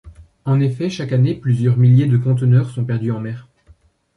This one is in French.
En effet chaque année plusieurs milliers de conteneurs sont perdus en mer.